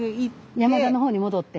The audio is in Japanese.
山田の方に戻って？